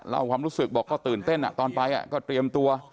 ความรู้สึกบอกก็ตื่นเต้นตอนไปก็เตรียมตัว